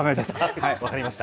分かりました。